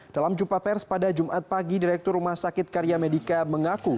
dalam jumpa pers pada jumat pagi direktur rumah sakit karya medica mengaku